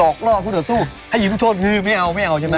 ออกรอพวกสู้ให้ยิงจุดโทษคือไม่เอาใช่มั้ย